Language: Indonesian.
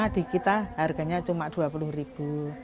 di kita harganya cuma dua puluh ribu